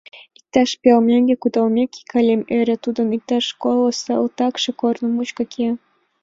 Иктаж пел меҥге кудалмеке, Калим ӧрӧ: тудын иктаж коло салтакше корно мучко кия.